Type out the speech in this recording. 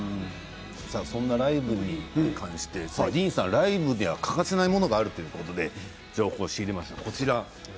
そのライブに関してディーンさんライブでは欠かさないものがあるということで情報を仕入れました。